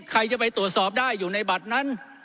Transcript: ใครจะไปตรวจสอบได้อยู่ในบัตรนั้น